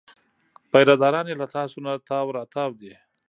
پیره داران یې له تاسونه تاو راتاو دي.